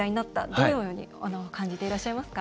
どのように感じていらっしゃいますか？